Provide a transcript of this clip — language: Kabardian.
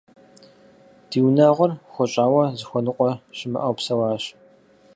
Ди унагъуэр хуэщӀауэ, зыхуэныкъуэ щымыӀэу псэуащ.